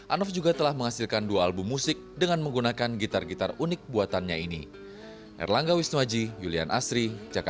anof juga telah menghasilkan dua album musik dengan menggunakan gitar gitar unik buatannya ini